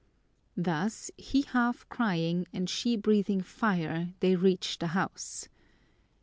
Thus, he half crying and she breathing fire, they reached the house.